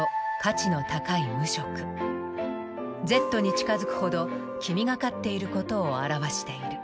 Ｚに近づくほど黄みがかっていることを表している。